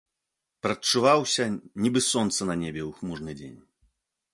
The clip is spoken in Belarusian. Прадчуваўся, нібы сонца на небе ў хмурны дзень.